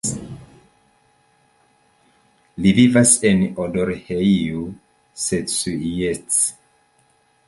Li vivas en Odorheiu Secuiesc.